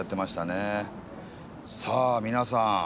さあ皆さん